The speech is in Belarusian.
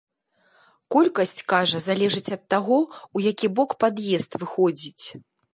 Колькасць, кажа, залежыць ад таго, у які бок пад'езд выходзіць.